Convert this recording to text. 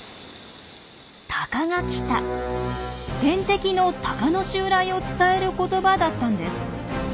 天敵のタカの襲来を伝える言葉だったんです。